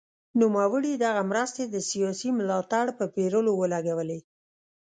نوموړي دغه مرستې د سیاسي ملاتړ په پېرلو ولګولې.